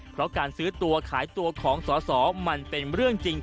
เพราะการซื้อตัวขายตัวของสอสอมันเป็นเรื่องจริง